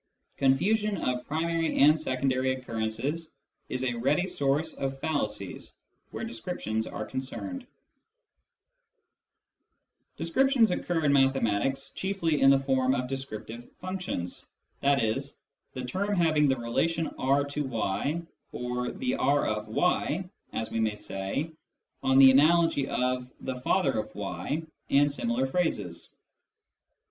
Confusion of primary and secondary occurrences is a ready source of fallacies where descriptions are concerned. 180 Introduction to Mathematical Philosophy Descriptions occur in mathematics chiefly in the form of descriptive functions, i.e. " the term having the relation R to y," or " the R of y " as we may say, on the analogy of " the father of y " and similar phrases.